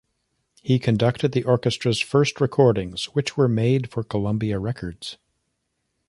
He conducted the orchestra's first recordings, which were made for Columbia Records.